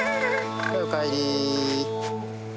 はいおかえり。